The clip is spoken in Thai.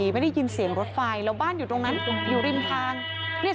ไม่ได้ยินเสียงรถไฟแล้วบ้านอยู่ตรงนั้นอยู่ริมทาง